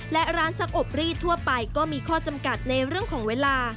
และร้านซักอบรีดทั่วไปก็มีข้อจำกัดในเรื่องของเวลา